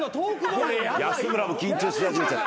安村も緊張し始めちゃう。